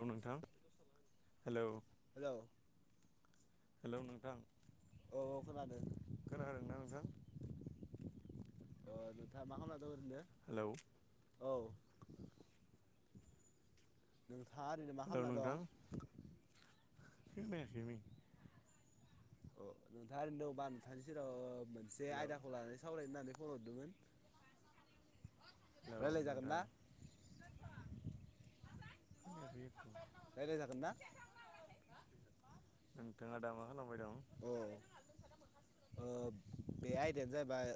औ नोंथां hello. Hello hello नोंथां। औ औ खोनादों। खोनादोंना नोंथां? ओ नोंथाङा मा खालामना दं ओरैनो? हेलौ औ नोंथाङा ओरैनो मा औ खालामना दं नोंथां [unintelligible] अ नोंथाङा ओरैनो दंबा नोंथांनि सेराव मोनसे हेलौ आयदाखौ लानानै सावरायनो होननानै फन हरदोंमोन, हेलौ नोंथां रायलायजागोनना? [unintelligible] रायलायजागोन ना? नोंथाङा दा मा खालामबाय दं? अ बे आयदायानो जाहैबाय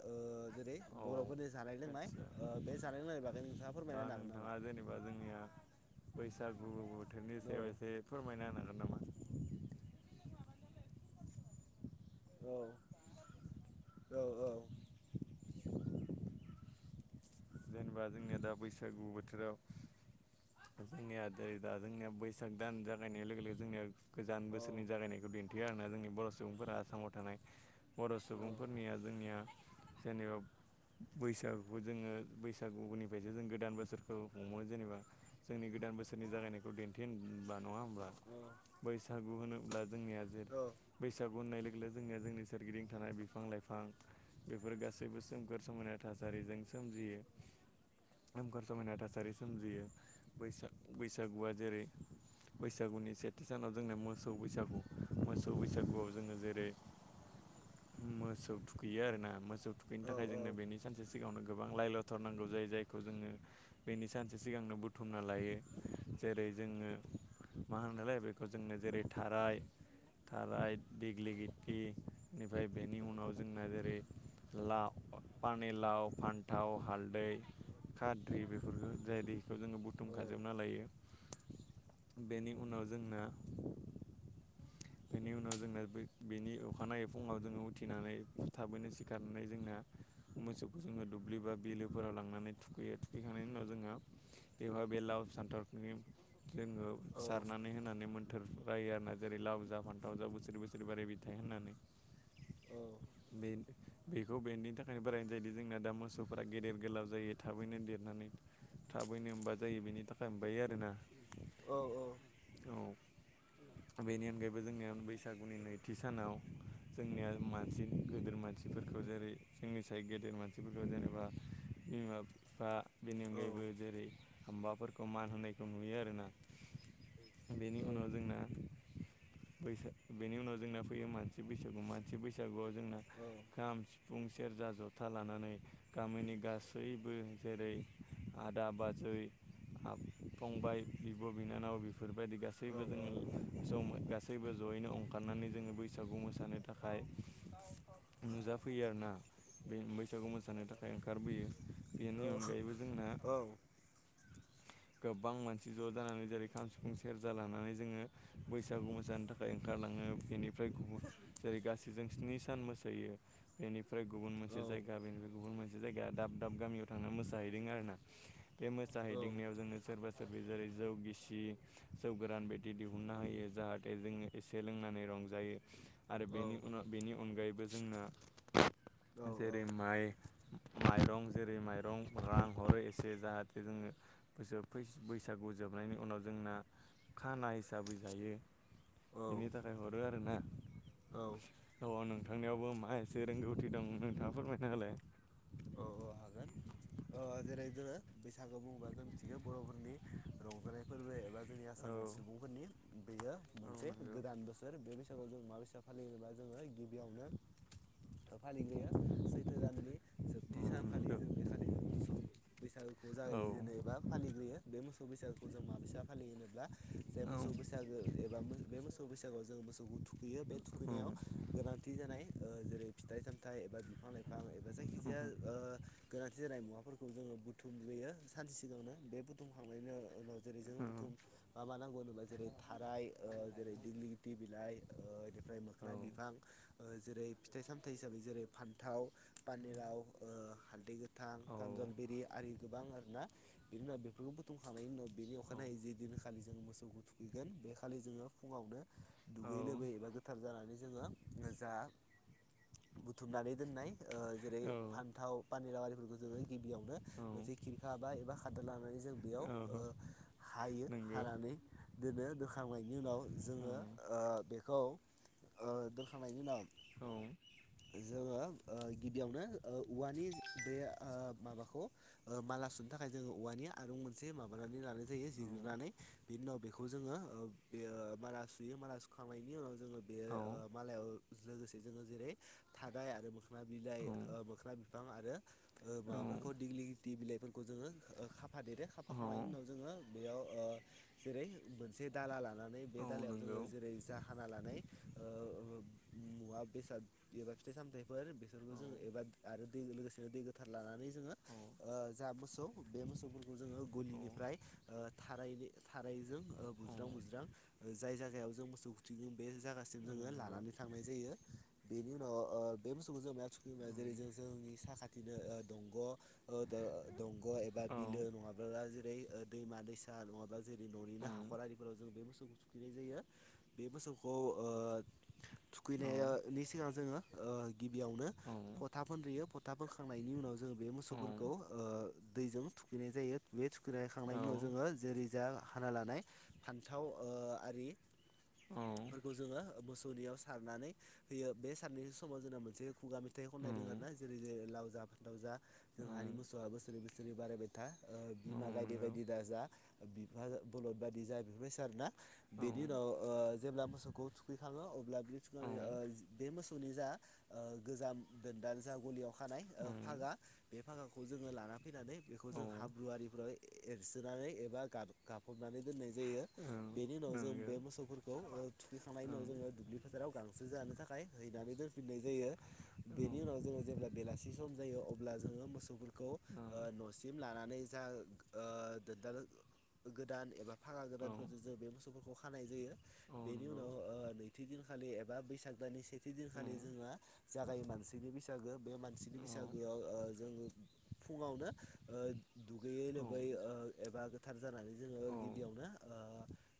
जेरै औ बर'फोरनि जानाय लोंनाय आदसा बे जानाय लोंनायनि बागै नोंथाङा दा फोरमायना हागोन नामा? नोंथाङा जेनेबा जोंनिया बैसागु बोथोरनि औ सायाव एसे फोरमायना होनो हागोन नामा? औ औ औ [unintelligible] जेनेबा जोंनिया दा बैसागु बोथोराव जोंनिया जेरै दा जोंनिया बैसाग दान जागायनाय लोगो लोगो जोंनिया गोजान औ बोसोरनि जागायनायखौ दिन्थियो आरोना जोंनि बर' सुबुंफोरा आसामाव थानाय बर' सुबुंफोरनिया जोंनिया जेनेबा बैसागुखौ जोङो बैसागुनिफ्रायसो जों गोदान बोसोरखौ हमो जेनेबा। जोंनि गोदान बोसोरनि जागायनायखौ दिन्थिबा नङा होनब्ला बैसागु होनोब्ला जोंनिया जेरै औ बैसागु होननाय लोगो लोगो जोंनिया जोंनि सोरगिदिं थानाय बिफां लाइफां बेफोर गासैबो सोमखोर समायना थासारिजों सोमजियो। सोमखोर समायना थासारि सोमजियो बैस-बैसागुआ जेरै बैसागुनि सेथि सानाव जोंना मोसौ बैसागु मोसौ बैसागुआव जोङो जेरै [inaudible] मोसौ थुखैयो आरोना मोसौ थुखैनो औ थाखाय जोंनो बेनि सानसे सिगाङावनो गोबां लाइ ल' बुथारनांगौ जायो जायखौ जोङो बेनि सानसे सिगांनो बुथुमना लायो जेरै जोङो मा होननायलाय बेखौ जोंनो जेरै थाराय थाराइ दिग्लिलिटि बेनिफ्राय बेनि उनाव जोंना जेरै ला-पानि लाव, फानथाव हालदै खाद्रि बेफोरखौ जाय दैखौ जोङो बुथुम खाजोबना लायो। बेनि उनाव जोंना बेनि उनाव जोंना बेनि अखानायै फुङाव जोङो उथिनानै थाबैनो सिखारनानै जोंना मोसौखौ जोङो दुब्लि बा बिलोफोराव लांनानै थुखैयो, थुखैखांनायनि उनाव जोङो बेहाय बेलाव सानथारफोरनि जोङो सारनानै होनानै मोन्थोर रायो आरोना जेरै लाव लाव फान्थाव जा बोसोरै बोसोरै बोराय थायो होननानै बेन बेखौ बेनि थाखायनो बारायनो जायोदि जोंना दा मोसौफ्रा गेदेर गोलाव जायो थाबैनो देरनानै थाबैनो [unintelligible] जायो बेनि थाखाय ओमबायो आरोना? औ औ बेनि अनगायैब बो जोंनिया बैसागुनि नैथि सानाव जोंनिया मानसि गोदोर मानसिफोरखौ जेरै जोंनि साय गेदेर मानसिफोरखौ जेनेबा बिमा बिफा बेनि अनगायैबो जेरै हबाफोरखौ मान होनायखौ नुयो आरोना? बेनि औ उनाव जोंना बैसाग बेनि उनाव जोंना फैयो मानसि बैसागु मानसि बैसागुआव जोंना औ औ खाम सिफ फुं सेरजा जथा लानानै गामिनि गासैबो जेरै आदा बाजै आब फंबाय बिब' बिनानाव बिफ बेफोरबायदि औ गासैबो जोङो सम गासैबो जयैनो अंखारनानै जोङो बैसागु मोसानो थाखाय नुजाफैयो आरोना बे बैसागु मोसानो थाखाय ओंखारबोयो। बेनि अनगायैबो जोंना गोबां मानसि ज' जानानै जेरै खाम सिफुं सेरजा लानानै जोङो बैस सागु मोसानो थाखाय ओंखारलाङो बेनिफ्राय गुबुन जेरै गासैजों स्नि सान मोसायो। बेनिफ्राय गुबुन मोनसे जायगा बेनिफ्राय गुबुन मोन से जायगा दाब दाब गामियाव थांनानै मोसाहैदों आरोना? बे औ मोसाहैदिंनायाव जोङो सोरबा सोरबा जेरै जौ गिसि जौ गोरान बायदि दिहुननो हायो। हाथे जों एसे लोंनानै रंजायो। आरो बेनि उनाव बेनि अनगायैबो जोंना औ जेरै माइ माइरं जेरै माइरं रां हरो एसे जाहाथे जोङो बोसोराव फैस बैसागु जोबनायनि उनाव जोंना खाना हिसाबै जायो। बेनि थाखाय हद बो आरोना? औ औ नोंथांनियावबो मा एसे रोंगौथि दं नोंथाङा फोरमायना होलाय। औ औ हागोन। ओ जेरै जोङो बैसागु बुङोबा जों मिथिगौ बर'फोरनि रंजानाय फोरबो एबा जोंनि औ आसाम सुबुंफोरनि बेयो औ मोनसे नंगौ गोदान बोसोर बे बैस सागोव जों माबायसा फालियोबा जोङो गिबियावनो ओ फालिबोयो सैथो दाननि औ जोबथि सानखालि नंगौ जों बे खालि जों मोसौ बैसागुखौ औ जागायजेनो एबा फालिग्रोयो। बे मोसौ बैसागुखौ जों माबायसा फालियो होनोब्ला जाय औ मोसौ बैसागो एबा मो बे मोसौ बैसागोआव जों मोसौ बो थुखैयो बे औ थुखैनायाव गोनांथि जानाय ओ जेरै फिथाइ सामथाइ एबा बिफां लाइफां एबा [unintelligible] ओ गोनांथि जानाय मुवाफोरखौ जोङो बुथुमग्रोयो सानसे सिगांनो बे बुथुमखांनायनि ओ उनाव जेरै जों बुथुम मा मा नांगौ होनोबा जेरै थाराय ओ जेरै दिग्लिगिति बिलाइ ओ ओमफ्राय मोखोना बिफां ओ जेरै फिथाइ सामथायाइ हिसाबै जेरै फान्थाव पानेलाव ओ हालदै गोथां, खानजलबिरि आरि गोबां आरो ना बिनि उनाव बेफोरखौ बुथुमखांनायनि उनाव बेनि अखानायै जि दिनखालि जोङो मोसौखौ थुखैगोन बे खालि जोङो फुङावनो दुगैयै लोबै एबा गोथार जानानै जोङो जा बुथुमनानै दोननाय ओ जेरै औ फान्थाव पानेलाव आरिफोरखौ जोङो गिबियावनो मोनसे औ खिरखा बा एबा खादा लानानै जों बेयाव औ ओ हायो नंगौ हानानै दोनो दोखांनायनि उनाव औ जोङो ओ बेखौ ओ दोनखांनायनि उनाव औ जोङो ओ गिबियावनो ओ औवानि जे ओ माबाखौ ओ माला सुनो थाखाय जोङो औवानि आरुं मोनसे माबानानै लानाय जायो जिरनानै बेनि उनाव बेखौ जोङो ओ बे माला सुयो मा सुखांनायनि उनाव जोङो बे औ ओ मालायाव लोगोसे जोङो जेरै थादाय आरो मोखोना बिलाइ ओ मोखोना बिफां आरो औ माबाफोरखौ दिग्लि बिलाइफोरखौ जोङो ओ खाफादेरो औ खाफाखांनायनि औ उनाव जोङो बेयाव जेरै मोनसे दाला लानानै बे औ नंगौ दालायाव जोङो जेरै जा हाना लानाय ओ मुवा बेसाद बेबा फिथाइ सामथाइ फोर बेसोरफोरखौ औ जोङो एबा आरो दै लोगोसेनो दै गोथार लानानै जोङो औ ओ जा मोसौ बे मोसौफोरखौ जोङो औ गलिनिफ्राय ओ थाराय थारायजों ओ औ बुज्रां बुज्रां जाय जायगायाव जों मोसौ थुगोन बे जागासिम औ जोङो नंगौ लानानै थांनाय जायो बेनि उनाव ओ बे बुस्थुखौ जों मायाव थुखियो होनबा औ जेरै जों जोंनि साखाथिनो ओ दंग' ओ दंग' एबा औ बिलो नङा बा जेरै दैमा दैसा नङाबा जेरै ननिनो हाखर आरिफोराव जों बे मोसौखौ थुखैनाय जायो बे मोसौखौ ओ औ थुखैनायनि सिगां जोङो ओ गिबियावनो औ फथा फोनग्रोयो फथा फोनखांनायनि उनाव जोङो बे मोसौफोरखौ ओ दैजों थुखैनाय जायो बे औ थुखैनायखांनायनि उनाव औ जोङो जेरै जा हाना लानाय फान्थाव ओ आरि औ खौ जोङो मोसौनियाव सारनानै होयो बे सारनाय समाव जोंना मोनसे खुगा मेथाइ खननाय दों आरोना जेरै जोङो लाव जा फान्थाव जा जोंहानि मोसौआ बोसोरे बोसोरे बारायबाय था ओ बिमा गायदे नंगौ बायदि दाजा बिफा बलद बायदि जा बेफोरबायसा आरो‌ना औ बेनि उनाव ओ जेब्ला मोसौखौ थुखैखाङो अब्ला बिनि औ नंगौ औ नंगौ औ थुखैनानै ओ बे मोसौनि जा ओ गोजाम दोनदानो जा गलियाव खानाय ओ फागा बे फागाखौ जोङो लाना फैनानै बेखौ जों हाब्रु आरिफोव एरसोनानै एबा गाफबनानै दोननाय जायो बेनि उनाव जों बे मोसौफोरखौ ओ थुखैखांनायनि उनाव जोङो दुब्लि फोथाराव गांसो जानो थाखाय हैनानै दोनफिननाय जायो बेनि उनाव जोङो जेब्ला बेलासि सम जायो अब्ला जोङो मोसौफोरखौ ओ नसिम लानानै जा ओ [unintelligible] गोदान एबा फागा गोदानफोरजों जों बे मोसौफोरखौ खानाय जायो बेनि उनाव ओ नैथि दिनखालि एबा बैसाग दाननि सेथि दिनखालि जोङा जागायो मानसिनि बैसागो बे मानसिनि बैसागोआव ओ जों फुङावनो ओ दुगैयै लोबै ओ एबा गोथार जानानै जोङो गिबियावनो ओ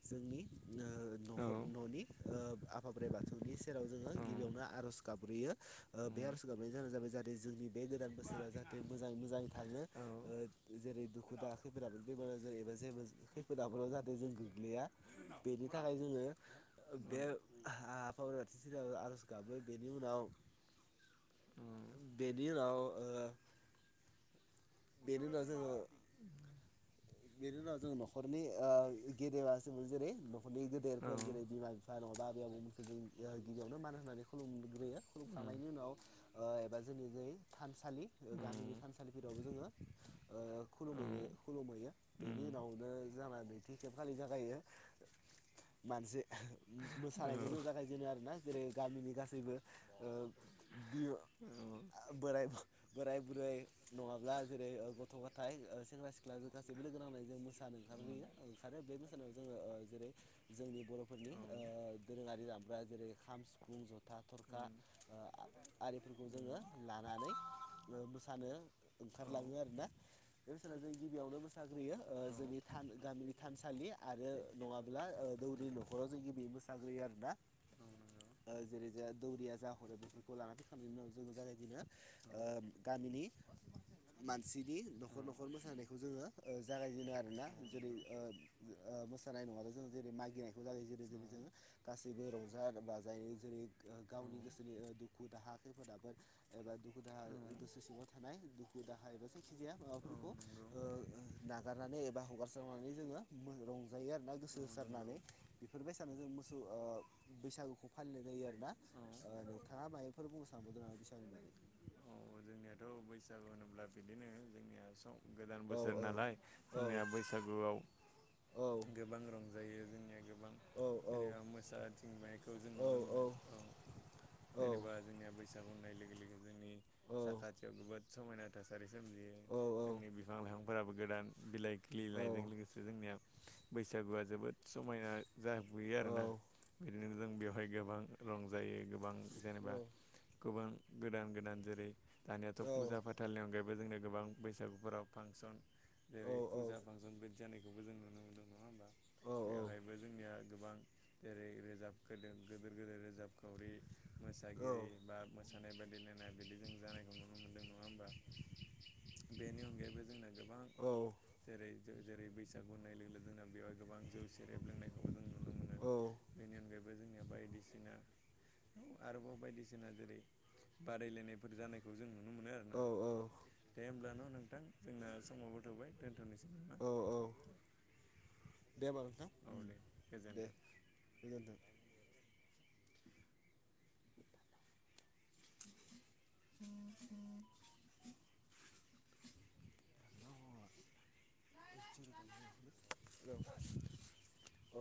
जोंनि ओ नखर ननि ओ आफा बोराइ बाथौनि सेराव जोङो गिबियावनो आर'ज गाबग्रोयो ओ बे आर'ज गाबनायनि जाहोनानो जाबाय जाहाथे जोंनि बे गोदान बोसोरा जाहाथे मोजाङै मोजां थाङो ओ जेरै दुखु दाह खैफोद आफोद बेमार आजार एबा जै जेबो खै फोद आफोराव जाहाथे जों गोग्लैया बेनि थाखाय जोङो बे आफा बोराइ बाथौनि सेराव आर'ज गाबो बेनि उनाव [unintelligible] बेनि उनाव ओ बेनि उनाव‌ जोङो बेनि उनाव जों नखरनि ओ गेदेमा जोङो जेरै नखरनि गेदेरफोर जेरै बिमा बिफा नङाबा आबै आबौमोनखो जों ओ गिबियावनो मान होननानै खुलुमग्रोयो खुलुमखांनायनि उनाव ओ‌ एबा जोंनि जै थानसालि गामिनि थानसालिफोरावबो जोङो ओ‌ खुलुमै खुलुम हैयो। बेनि उनावनो जाना नैथि खेब खालि जागायो मानसि औ मोसानायखौ औ जों जागायजेनो आरोना जेरै गामिनि गासैबो ओ बियो औ आ बोरय बोराय बुरै नङाब्ला जेरै गथ' गथाय ओ सेंग्रा सिख्ला गासैबो लोगो नांनाय जों मोसानो ओंखारग्रोयो ओंखारो बे मोसानायाव जोङो ओ जेरै जोंनि बर'फोरनि ओ दोरोङारि दामग्रा जेरै खाम सिफ बुं जथा थरखा आ-आरिफोरखौ जोङो लानानै ओ मोसानो ओंखारलाङो आरोना बे मोसानो जों गिबियावनो मो मोसाग्रोयो ओ जोंनि थान गामिनि थानसालि आरो नङाब्ला ओ दौरि नखराव जों गिबि मोस साग्रोयो आरोना। ओ जेरै जोहा दौरिया जाहरो बेफोरखौ लानानै खांनायनि उनाव जोङो जागायजेनो ओ गामिनि मानसिनि न'खर न'खर मोसानायखौ जोङो ओ जागायजेनो आरोना जेरै ओ ओ मोसानाय नङा'बा जों जेरै मागिनायखौ जागाय जेनो जेरै जोङो गासैबो रंजा बाजायै‌ जेरै गावनि गोसोनि ओ दुखु दाहा खैफोद आफोद एबा दुख खु दाहा गोसो सिङाव थानाय दुखु दाहा एबा जायखिजाया माबाफोरखौ ओ-ओ नागारनानै एबा हगारसारनानै जोङो मो रंजायो आरो ना गोसो होसारनानै। बेफोरबायसानो जों मोसौ ओ बैसागुखौ फालिनाय जायो आरोना ओ नोंथाङा माइंफोर बुंनो सानबावदों नामा बैसागुनि जेरै जोंनियाथ' बैसागु होनोब्ला बिदिनो जोंनिया आसम गोदान औ बोसोर नालाय औ जोंनिया बैसागुआव औ गोबां रंजायो जोंनिया गो गोबां दे होमबा जेनेबा मोसाथिंनायखौ जों नुनो मोनो औ। जेनेबा जोंनिया बैसागु होननाय लोगो लोगो जोंनि साखाथियाव जबोद समायना थासारि सोमजियो जोंनि बिफां लाइफांफोराबो गोदान बिलाइ गेलेनायजों लोगोसे जोंनिया बैसागुआ जोबोद समायना जाबोयो आरोना बिदिनो जों बेवहाय गोबां रं जायो गोबां जेनेबा गोबां गोदान गोदान जेरै दानियाथ' फुजा फाथालनि अनगायैबो जोंनो गोबां बैसागुफोराव फांसन जेरै फुजा फांसन बाइ जानायखौबो जों नुनो मोनदों नङा होमबा बेवहायबो जोंनिया गोबां जेरै रोजाबखोदों गदोर गोेदेर रोजाबखावरि मोसागिरि बा मोसानाय बादायलायनाय बिदि जों जानायखौ नुनो मोनदों नङा हबा बेनि अनगायैबो जोंना गो गोबां जेरै जेरै बैसागु होननाय लोगो लोगो जोंना बेवहाय गोबां जौ सेरेब लोंनायखौबो जों नुनो मोनो। बेनि अनगायैबो जोंनिया बायदिसिना आरोबाव बायदिसिना जेरै बादायलायनायफोर जानायखौ जों नुनो मोनो आरो औ औ। दे होमबब्ला न' नोंथां जोंना समावबो थ'बाय दोन्थ'नोसै नामा? औ औ देबा नोंथां? औ दे गोजोन्थों। गोजोन्थों। [inaudible] [unintelligible] [unintelligible] अ